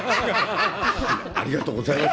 ありがとうございます。